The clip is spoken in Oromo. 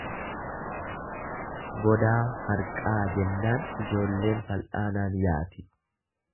Godaa marqaa jennaan ijoolleen fal'aanaan yaati.